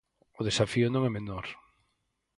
O desafío non é menor.